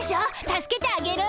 助けてあげる。